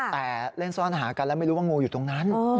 แต่เล่นซ่อนหากันแล้วไม่รู้ว่างูอยู่ตรงนั้น